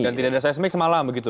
dan tidak ada seismik semalam begitu